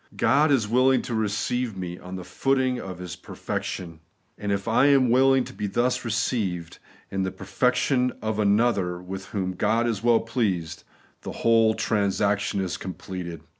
God is willing to receive me on the footing of His perfec tion ; and if I am willing to be thus received, in the perfection of another with whom God is well pleased, the whole transaction is completed.